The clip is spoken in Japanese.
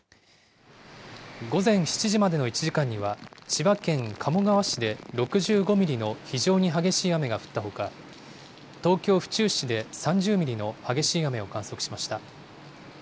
午前７時までの１時間には、千葉県鴨川市で６５ミリの非常に激しい雨が降ったほか、東京・府中市で３０ミリの激しい雨を観測しました。